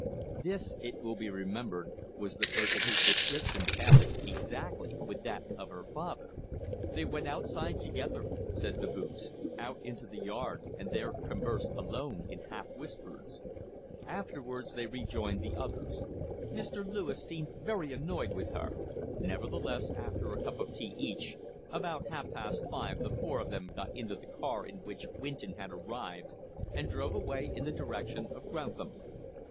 This, it will be remembered, was the person whose description tallied exactly with that of her father. "They went outside together," said the boots, "out into the yard, and there conversed alone in half whispers. Afterwards they rejoined the others. Mr. Lewis seemed very annoyed with her; nevertheless, after a cup of tea each, about half past five the four of them got into the car in which Winton had arrived and drove away in the direction of Grantham.